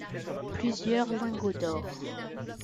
Plusieurs lingots d'or.